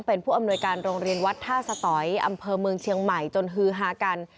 เป็นผู้อำนวยการโรงเรียนวัดท่าสตอยอำเภอเมืองเชียงใหม่จนฮือฮากัน